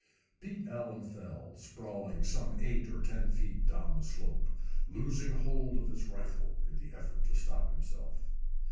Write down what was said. Pete Allen fell sprawling some eight or ten feet down the slope, losing hold of his rifle in the effort to stop himself.